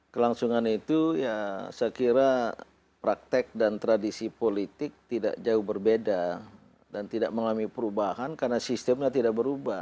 kelangsungan itu ya saya kira praktek dan tradisi politik tidak jauh berbeda dan tidak mengalami perubahan karena sistemnya tidak berubah